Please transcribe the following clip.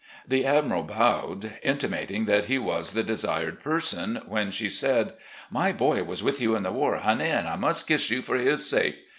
The Admiral bowed, intimating that he was the desired person, when she said: *' My boy was with you in the war, honey, and I must kiss you for his sake."